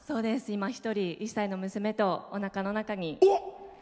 今、１人、１歳の娘とおなかの中に。